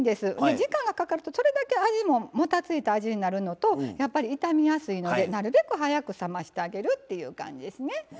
時間がかかるとそれだけ味ももたついた味になるのとやっぱり傷みやすいのでなるべく早く冷ましてあげるっていう感じですね。